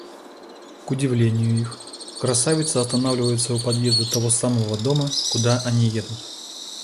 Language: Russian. К удивлению их, красавица останавливается у подъезда того самого дома, куда они едут.